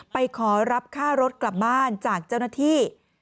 ไปขอรับค่ารถกลับบ้านจากเจ้าหน้าที่